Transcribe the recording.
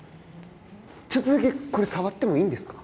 ちょっとだけこれ触ってもいいんですか。